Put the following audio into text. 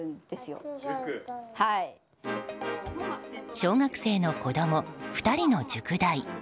小学生の子供２人の塾代。